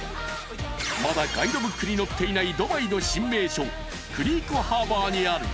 ［まだガイドブックに載っていないドバイの新名所クリーク・ハーバーにある］